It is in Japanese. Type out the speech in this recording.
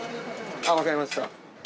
わかりました。